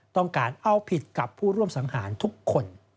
ต้องการเอาผิดกับผู้ร่วมสังหารทุกคน